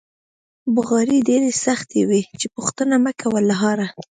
بغارې ډېرې سختې وې چې پوښتنه مکوه له حاله.